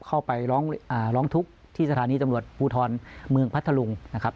เข้าไปร้องทุกข์ที่สถานีตำรวจภูทรเมืองพัทธลุงนะครับ